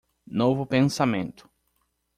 Novo pensamento